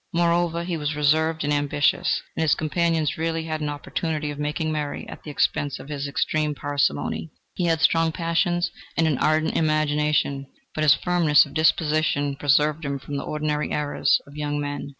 Moreover, he was reserved and ambitious, and his companions rarely had an opportunity of making merry at the expense of his extreme parsimony. He had strong passions and an ardent imagination, but his firmness of disposition preserved him from the ordinary errors of young men.